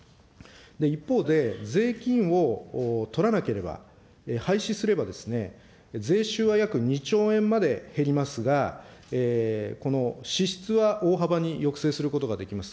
一方で、税金を取らなければ、廃止すればですね、税収は約２兆円まで減りますが、この支出は大幅に抑制することができます。